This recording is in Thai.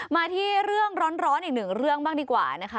มาที่เรื่องร้อนอีกหนึ่งเรื่องบ้างดีกว่านะคะ